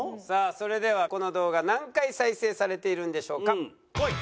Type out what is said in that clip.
さあそれではこの動画何回再生されているんでしょうか？